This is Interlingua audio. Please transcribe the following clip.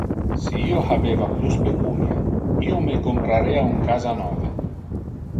Si io habeva plus pecunia, io me comprarea un casa nove.